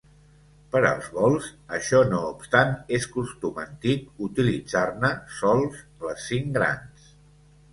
Per als vols, això no obstant, és costum antic utilitzar-ne sols les cinc grans.